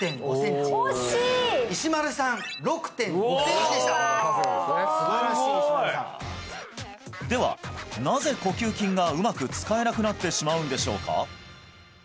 おすばらしい石丸さんではなぜ呼吸筋がうまく使えなくなってしまうんでしょうか？